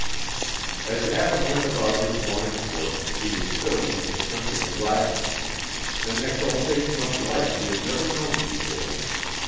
As Adam went about his morning's work he was filled with a sense of gladness, an exaltation of life he had never known before.